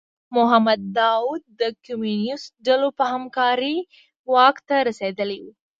محمد داوود د کمونیستو ډلو په همکارۍ واک ته رسېدلی و.